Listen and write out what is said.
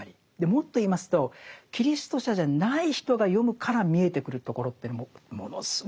もっと言いますとキリスト者じゃない人が読むから見えてくるところっていうのもものすごく豊かにあると思うんです。